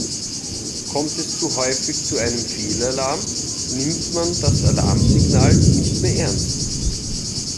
Kommt es zu häufig zu einem Fehlalarm, nimmt man das Alarmsignal nicht mehr ernst.